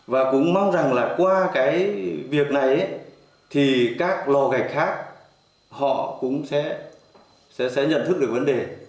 và cũng mong rằng là qua cái việc này thì các lò gạch khác họ cũng sẽ nhận thức được vấn đề